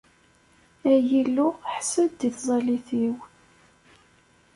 Ay Illu, ḥess-d i tẓallit-iw!